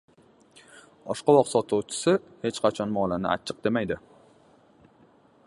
• Oshqovoq sotuvchisi hech qachon molini achchiq demaydi.